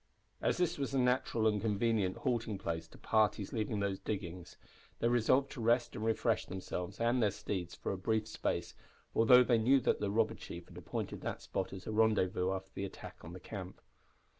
As this was a natural and convenient halting place to parties leaving those diggings, they resolved to rest and refresh themselves and their steeds for a brief space, although they knew that the robber chief had appointed that spot as a rendezvous after the attack on the camp.